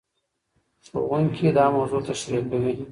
ښوونکي دا موضوع تشريح کوي.